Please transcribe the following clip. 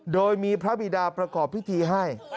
โดยมีพระบิดาประกอบพิธีให้